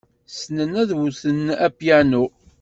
Ssnen ad wten apyanu.